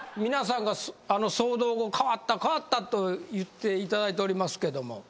皆さんが騒動後変わったと言っていただいておりますけども。